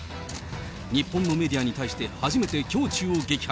日本のメディアに対して初めて胸中を激白。